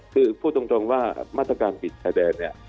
คือพูดตรงว่ามาตรการปิดชายแดนเนี่ย